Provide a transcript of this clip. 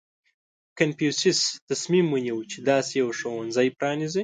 • کنفوسیوس تصمیم ونیو، چې داسې یو ښوونځی پرانېزي.